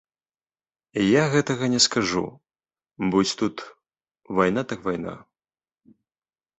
Я гэтага не скажу, будзь тут, вайна так вайна.